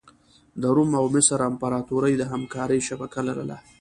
د روم او مصر امپراتوري د همکارۍ شبکه لرله.